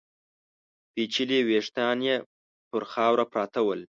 پيچلي ويښته يې پر خاورو پراته ول.